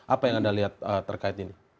apa yang anda lihat terkait ini